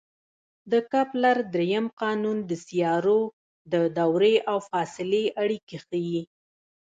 د کپلر درېیم قانون د سیارو د دورې او فاصلې اړیکې ښيي.